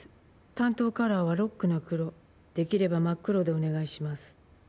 「担当カラーはロックな黒出来れば真っ黒でお願いします」